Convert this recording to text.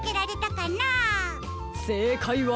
せいかいは。